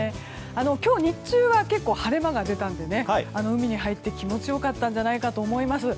今日、日中は結構晴れ間が出たので海に入って気持ち良かったんじゃないかと思います。